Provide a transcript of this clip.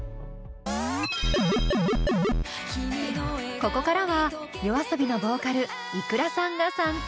ここからはＹＯＡＳＯＢＩのボーカルｉｋｕｒａさんが参加。